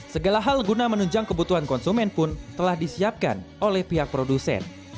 segala hal guna menunjang kebutuhan konsumen pun telah disiapkan oleh pihak produsen